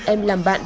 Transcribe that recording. em làm bài học